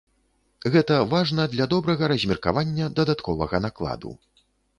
Гэта важна для добрага размеркавання дадатковага накладу.